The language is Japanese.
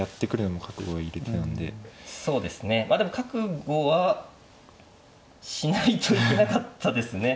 まあでも覚悟はしないといけなかったですね。